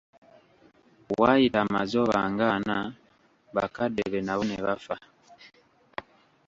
Waayita amazooba ng'ana, bakadde be nabo ne bafa.